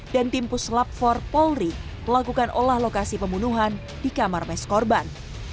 dan tim puslap for polri melakukan olah lokasi pembunuhan di kamar mes korban